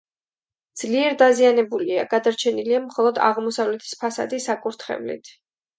ძლიერ დაზიანებულია, გადარჩენილია მხოლოდ აღმოსავლეთის ფასადი საკურთხევლით.